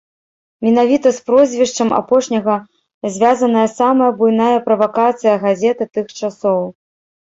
Менавіта з прозвішчам апошняга звязаная самая буйная правакацыя газеты тых часоў.